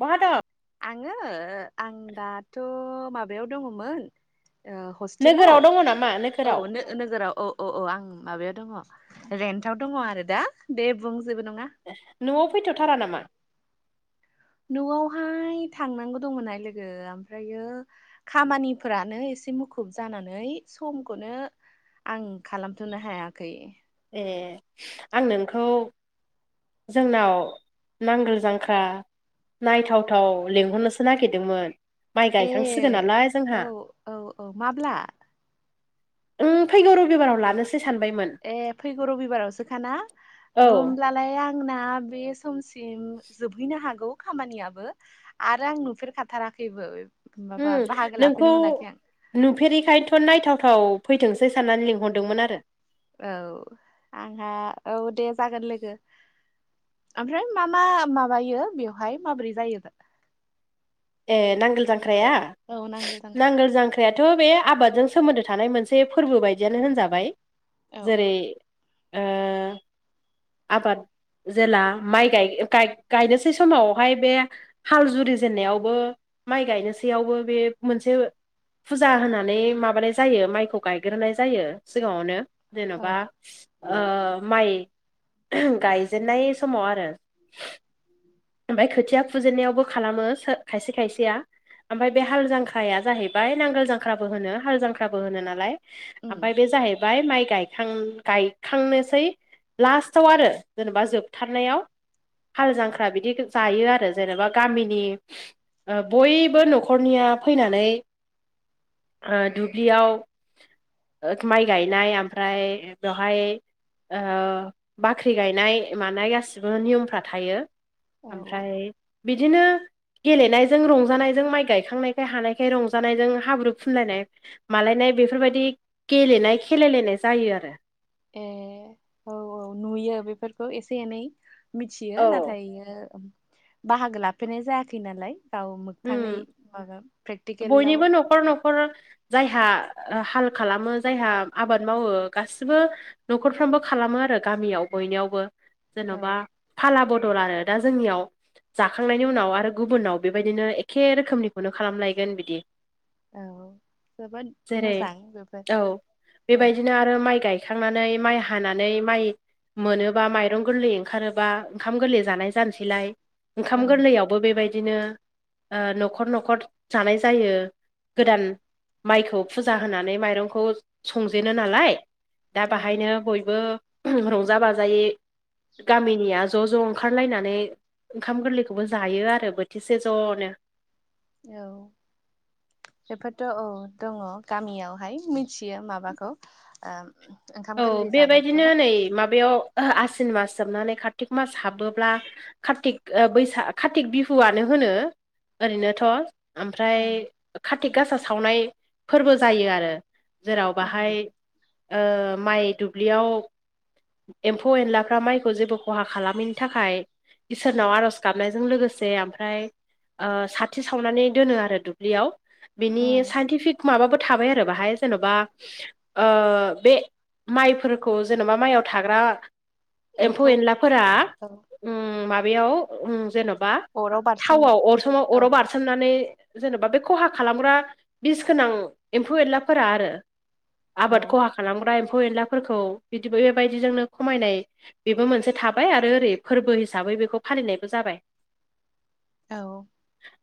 बहा द आङो ओ आं दाथ' माबायाव दङमोन ओ नोगोराव हस्टेलाव? दङ नामा औ नोगोराव नों ओ नोगोराव औ औ औ आं माबायाव दङ रेन्टआव दङ आरो दा दे बुंजेबो नङा। न'आव फैथ'थारा नामा? न'आवहाय थांनांगौ दंमोनहाय लोगो ओमफ्रायो खामानिफोरानो एसे मुखुब जानानै समखौनो आं खालामथ'नो हायाखै। ए आं नोंखौ जोंनाव नांगोल जांख्रा नायथावथाव लेंहरनोसो नागिरदोंमोन। माइ ए गायखांसिगोन नालाय जोंहा। औ औ औ माब्ला ओम फैगौ रबिबाराव लानोसै सानबायमोन। ए फैगौ रबिबारावसोखाना? औ होमब्लालाय आंना बे सम सि सिम जोबहैनो हागौ खामानियाबो। आरो आं नुफेर खाथाराखैबो उम माबा बाहागो लाफैनो मोनाखै आं। नुफेरिखायथ' नायथावथाव फैथोंसै साननानै लिंहरदोंमोन आरो। औ आंहा औ दे जागोन लोगो। आमफ्राय मा मा माबायो बेवहाय माबोरै जायो? ए नांगोल जांख्राया औ जांख्रा नांगोल जांख ख्रायाथ' बे आबादजों सोमोन्दो थानाय मोनसे फोरबो बायदियानो होनजाबाय। औ जेरै ओ आबाद जेला माइ गाय गाय गायनोसै समावहाय बे हाल जुरि जेननायाव बो माइ गायनोसैयावबो बे मोनसे फुजा होनानै माबानाय जायो माइखौ गायग्रोनाय जायो सिगाङावनो औ जेन'बा ओ माइ गायजेननाय समाव आरो। ओमफाय खोथिया फुजेननायावबो खालामो सो खायसे खायसेया। ओमफाय बे हाल जांख्राया जाहैबाय नांगोल जांख्राबो होनो हाल जांख्राबो होनो नालाय। उम ओमफाय बे जाहैबाय माइ गायखां गायखांनोसै लास्टाव आरो जेनेबा जोबथारनायाव हाल जांख्रा बिदि जायो आरो जेनेबा गामिनि ओ बयबो न'खरनिया फैनानै ओ दुब्लियाव ओ माइ गायनाय आमफ्राय बेवहाय आ बाख्रि गायनाय मानाय गासिबो नियमफ्रा थायो। औ आमफ्राय बिदिनो गेलेनायजों रंजानायजों माइ गायखांनायखाय हानायखाय रंजानायजों हाब्रु फुनलायनाय मालायनाय बेफोरबायदि गेलेनाय खेलायलायनाय जायो आरो। ए औ-औ नुयो बेफोरखौ एसे एनै। मिथियो औ नाथाययो बाहागो लाफेरनाय जायाखै नालाय। गाव मोगथाङै उम माबा प्रेक्टिकेलाव न'खर-न'खर जायहा हाल खालामो जायहा आबाद मावो गासिबो न'खरफ्रामबो खालामो आरो गामियाव बयनिवबो। औ जेन'बा फाला बदल आरो दा जोंनियाव जाखांनायनि उनाव आरो गुबुनाव बे बेबायदिनो एखे रोखोमनिखौनो खालामलायगोन बिदि। औ जोबोद जेरै मोजां जोबोद औ औ बेबायदिनो आद ओ माइ गायखांनानै माइ हानानै माइ मोनोबा माइरं गोरलै ओंखारोबा ओंखाम गोरलै जानाय जानोसैलाय। ओंखाम ओं गोरलैयावबो बेबायदिनो आ न'खर न'खर जानाय जायो। गोदान माइखौ फुजा होनानै माइरंखौ संजेनो नालाय। दा औ बाहायनो बयबो रंजा बाजायै गामिनिया ज' ज' ओंखारलायनानै ओंखाम गोरलैखौबो जायो आरो बोथिसे ज'नो। औ! बेफोरथ' औ दङ गामियावहाय मिथियो माबाखौ ओ ओंखाम औ गोरलै जानायखौ बेबायदिनो नै माबायाव आसिन मास जोबनानै कार्तिक मास हाबोब्ला कार्तिक ओ बैसा कार्तिक बिहुआनो होनो ओरैनोथ' ओमफ्राय औ कारतिक गासा सावनाय फोरबो जायो आरो। जेराव उम बाहाय ओ माइ दुब्लियाव एम्फौ एनलाफ्रा माइखौ जेबो खहा खालामैनि थाखाय इसोरनाव आर'ज गाबनायजों लोगोसे ओमफ्राय साथि सावनानै दोनो आरो दुब्लियाव बिनि उम साइन्टिफिक माबाबो थाबाय आरो बाहाय जेन'बा ओ बे माइफोरखौ जेन'बा माइआव थाग्रा एम्फौ एनलाफोरा औ ओम माबायाव जेन'बा अराव बारसोम थावआव अर समाव औ अराव बारस होननानै जेन'बा बे खहा खालामग्रा बिस गोनां एम्फौ एनलाफोरा आरो। आबाद औ खहा खालामग्रा एम्फौ एनलाफोरखौ बिदि बेबायदिजोंनो खमायनाय बेबो मोनसे थाबाय आरो ओरै फोरबो हिसाबै बेखौ फालिनायबो जाबाय। औ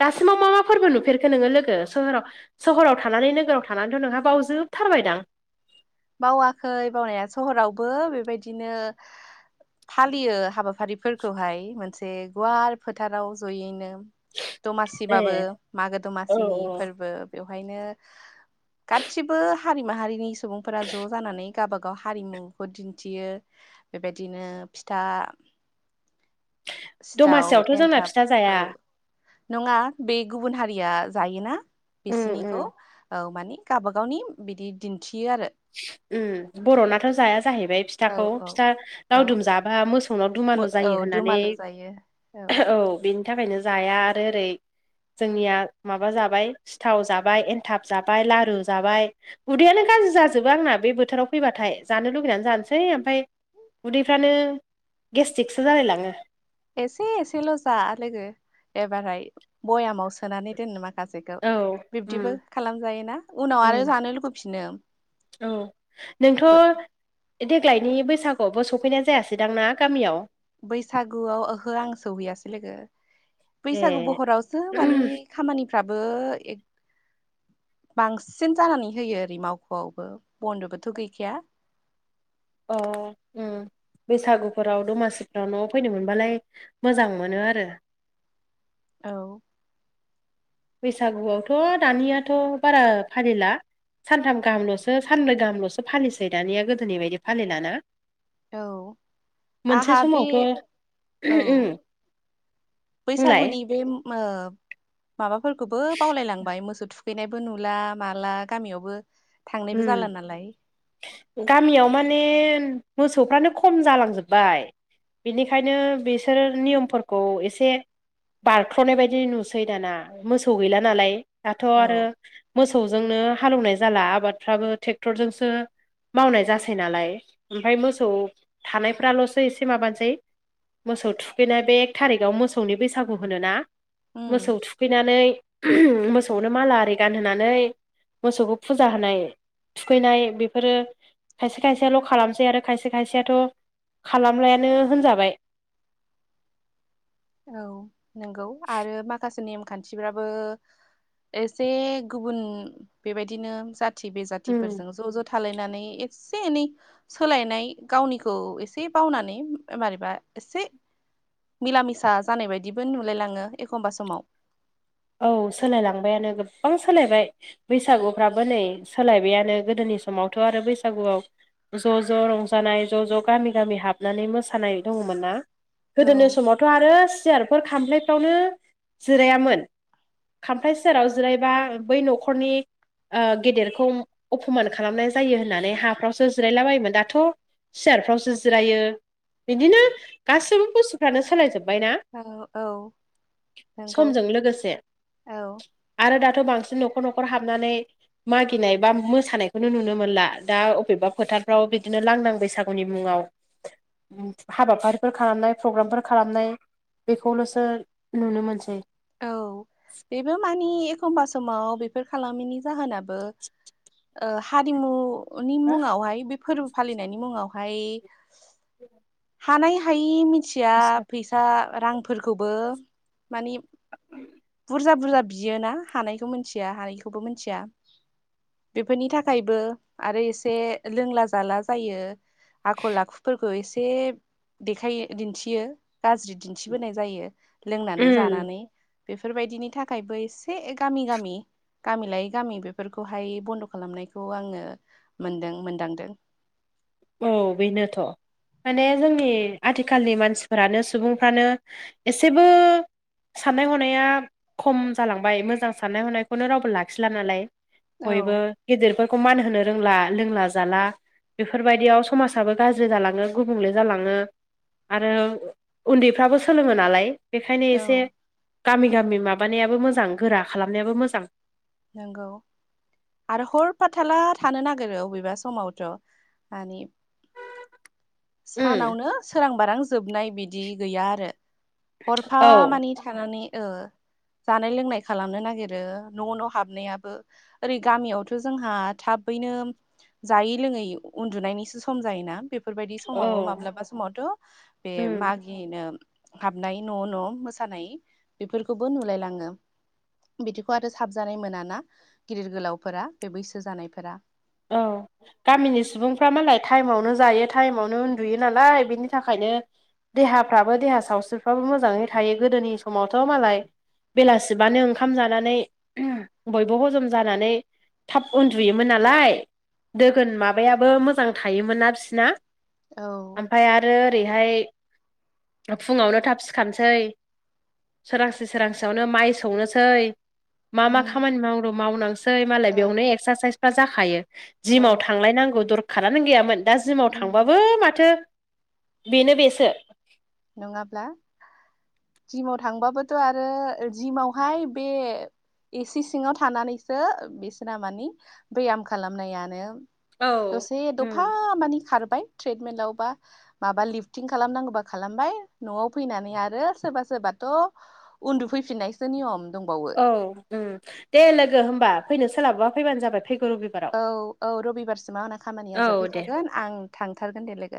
दासिमाव मा मा फोरबो नुफेरखो नोंङो लोगो सहोराव सहराव थानानै नोगोराव थानानैथ' नोंहा बावजोबथारबायदां। बावाखै बावनाया सहरावबो बेबायदिनो फालियो हाबाफारिफोरखौहाय मोनसे गुवार फोथाराव जयैनो। ए दमासिबाबो मागो औ दमासिनि औ फोरबो बेवहायनो गादसिबो हारि माहारिनि सुबुं फोर ज' जानानै गावबागाव हारिमुखौ दिन्थियो। बेबायदिनो फिथा सिथाव दमासियावथ' जोंना एन्थाब फिथा औ जाया। नङा बे गुबुन हारिया जायोना उम उम बिसिनिखौ औ माने गावबागावनि बिदि दिन्थियो आरो। बर'नाथ' जाया जाहैबाय औ फिथाखौ फिथा औ लावदुम जाबा मोसौ मोसौनाव औ दुमालु औ जायो होननानै दुमालु जायो औ बेनि थाखायनो जाया आरो ओरै जोंनिया माबा जाबाय सिथाव जाबाय एनथाब जाबाय लारु जाबाय। उदैयानो गाज्रि जाजोबो आंना बे बोथोराव फैबाथाय जानो लुुबैनानै जानोसै ओमफ्राय उदैफ्रानो गेस्टिकसो जालाय लांङो। एसे एसेल' जा लोगो एबारहाय बयामाव सोनानै दोननो मा औ [unintelligible] उम बिब्दिबो खालामजायोना उनाव आरो उम जानो लुगैफिनो। औ नोंथ' देग्लायनि बैसागुआवबो सफैनाय जायासैदांना गामियाव? बैसागुआव ओहो आं सौहैयासै लोगो बैसागु ए बहरावसो मानि खामानिफ्राबो बांसिन जानानै होयो ओरै मावख'आवबो बन्द'बोथ' गैखाया। ओ- औम। बैसागुफोराव दमासिफ्राव न'आव फैनो मोनबालाय मोजां मोनो आरो। औ बैसागुआवथ' दानियाथ' बारा फालिला। सानथाम गाहामल'सो सानब्रै गाहामल'सो फालिसै दानिया गोदोनि बायदि फालिलाना। औ मोनसे आंहा बे समावथ' औ बुंलाय बैसागुनि बे माबाफोरखौबो बावलायलांबाय मोसौ थुख हैनायबो नुला माला गामियावबो उम थांनायबो जाला नालाय। गामियाव माने मोसौफ्रानो खम जालांजोब्बाय। बिनिखायनो बिसोर नियमफोरखौ एसे बारख्ल'नाय बायदि नुसै दाना मोसौ गैला नालाय। दाथ' औ आरो मोसौजोंनो हालौवनाय जाला आबादफ्राबो ट्रेक्टरजोंसो। मावनाय जासै नालाय ओमफ्राय मोसौ थानायफ्राल'सो एसे माबानोसै। मोसौ थुखैनाय बे एक थारिखाव मोसौनि बैसागु होनोना उम मोसौ थुखै थुखैनानै मोसौनो माला आरि गानहोनानै मोसौखौ फुजा होनाय थुखैनाय बेफोरो खायसे खायसेयाल' खालामसै आरो खायसे खायसेयाथ' खालामलायानो होनजाबाय। औ नंगौ आरो माखासे नेमखान्थिफ्राबो। एसे गुबुन बेबायदिनो जाथि बे उम जााथिफोरजों ज' ज' थालायनानै एसे एनै सोलायनाय गावनिखौ एसे बावनानै ओ-मोरेबा एसे मिला मिसा जानाय बायदिबो नुलायलाङो एखमबा समाव। औ सोलायलांबायानो गोबां सोलायबाय। बैसागुफ्राबो नै सोलायबायानो गोदोनि समावथ' आरो बैसागुआव। ज' ज' रंजानाय ज' ज' गामि गामि हाबनानै मोसानाय दङमोन ना। औ गोदोनि समावथ' आरो सियारफोर खामफ्लायफ्रावनो जिरायामोन। खामफ्लाय सेराव जिरायबा बै न'खरनि ओ-गेदेरखौ अपमान खालामनाय जायो होननानै हाफ्रावसो जिरायलाबायायोमोन दाथ'। सियारफ्रावसो जिरायो बिदिनो गासैबो बुस्थुफ्रानो सोलायजोब्बायना। औ औ नंगौ समजों लोगोसे औ। आरो दाथ' बांसिन न'खर न'खर हाबनानै। मागिनाय बा मोसानायखौनो नुनो मोनला दा अबेबा फोथारफ्राव बिदिनो लांदां बैसाग गोनि मुङाव हाबाफारिफोर खालामनाय प्रग्रामफोर खालामनाय बेखौल'सो नुनो मोनसै। औ बेबो मानि। एखमबा समाव बेफोर खालामैनि जाहोनाबो हारिमु मुनि हो मुङावहाय बे फोरबो फालिनायनि मुङावहाय। हानाय हायि मिथिया बिसोर। फैसा रांफोरखौबो मानि बुरजा बुरजा बियोना हानायखौ मिथिया हानायखौबो मिथिया। बेफोरनि थाखायबो आरो एसे लोंला जाला जायो। आखल आखुफोरखौ एसे देखायो दिन्थियो गाज्रि दिन्थिबोनाय जायो लोंनानै उम जानानै। बेफोरबायदिनि थाखायबो एसे गामि गामि। गामि लायै गामि बेफोरखौहाय बन्द' खालामनायखौ आङो मोनदों मोनदांदों। औ बेनोथ'। माने जोंनि आथिखालनि मानसिफोरानो सुबुंफ्रानो एसेबो साननाय हनाया खम जालांबाय मोजां साननाय हनायखौनो रावबो लाखिला नालाय। औ बयबो गिदिरफोरखौ मान होनो रोंला लोंला जाला बेफोरबायदियाव समाजाबो गाज्रि जालाङो गुबुंले जालाङो आरो उन्दैफ्राबो सोलोङो नालाय बेखायनो औ एसे गामि गामि माबानायाबो मोजां गोरा खालामनायाबो मोजां नोंंगौ आरो हरफाथाला थानो नागिरो अबेबा समावथ' मानि उम सानावनो सोरां बारां जोबनाय बिदि गैया आरो। हरफा औ मानि थानानै ओ- जानाय लोंनाय खालामनो नागिरो न' न' हाबनायाबो। ओरै गामियावथ' जोंहा थाबैनो। जायै लोङै उन्दुनायनिसो सम जायोना बेफोरबायदि औ समावबो माब्लाबा समावथ' बे उम माग इनोम हाबनाय न' न' मोसानाय बेफोरखौबो नुलायलाङो बिदिखौ आरो साबजानाय मोनाना गिदिर गोलावफोरा बे बैसो जानायफोरा औ गामिनि सुबुंफ्रा मालाय टाइमावनो जायो टाइमावनो उन्दुयो नालाय बेनि थाखायनो देहाफ्राबो देहा सावस्रिफ्राबो मोजाङै थायो गोदोनि समावथ' मालाय बेलासिबानो ओंखाम जानानै बयबो हजम जानानै थाब उन्दुयोमोन नालाय। दोगोन माबायाबो मोजां थायोमोनना बिसिना। औ। ओमफ्राय आरो ओरैहाय फुङावनो थाब सिखारनोसै सोरांसि सोरांसियावनो माइ सौनोसै मा मा उम खामानि मावनो मावनांसै मालाय औ बेयावनो एक्सारसाइसफ्रा जाखायो। औ जिमाव थांलायनांगौ दरखारानो गैयामोन दा जिमाव उम थांबाबो माथो बेनो बेसो। नङाब्ला। जिमाव थांबाबोथ' आरो जिमावहाय बे ए सि सिङाव थानानैसो बिसिना मानि बेयाम खालामनायानो दसे दफा उम मानि खारबाय ट्रेडमेलावबा माबा लिफटिं खालामनांगौबा। खालामबाय न'आव फैनानै आरो सोरबा सोरबाथ' उन्दुफैफिननायसो नियम दंबावो। औ उम दे लोगो होमबा फैनो सोलाबोबा फैबानो जाबाय फैगौ रबि औ औ रबिबारसिमाव आंना खामानिया औ दे जोबहैखागोन आं थांथारगोन दे लोगो।